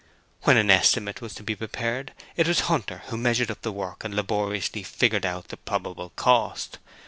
When an estimate was to be prepared it was Hunter who measured up the work and laboriously figured out the probably cost.